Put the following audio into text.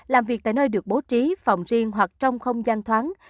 làm việc tại nơi được bố trí phòng riêng hoặc trong không gian thoáng